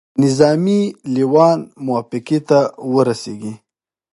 نظامي لېوان موافقې ته ورسیږي.